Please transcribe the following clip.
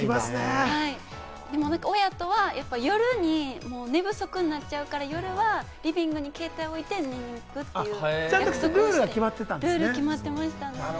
親とは夜に寝不足になっちゃうから、夜はリビングに携帯を置いて寝に行くって約束をして、ルール決まってました。